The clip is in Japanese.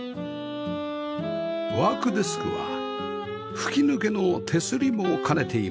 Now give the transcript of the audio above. ワークデスクは吹き抜けの手すりも兼ねています